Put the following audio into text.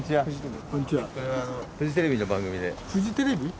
フジテレビ？